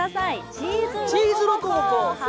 チーズロコモコ。